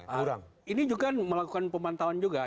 tapi juga melakukan pemantauan juga